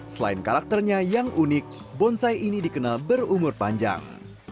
selain karakternya yang unik bonsai ini dikenal berumur panjang